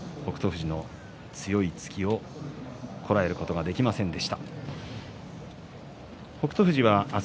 富士の強い突きをこらえることができませんでした。